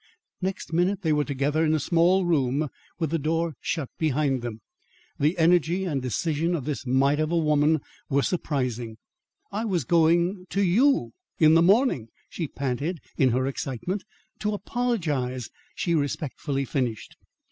Next minute they were together in a small room, with the door shut behind them. The energy and decision of this mite of a woman were surprising. "I was going to you in the morning " she panted in her excitement. "To apologise," she respectfully finished.